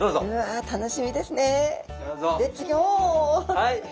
はい。